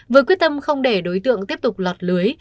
với quyết tâm không để đối tượng tiếp tục lọt lưới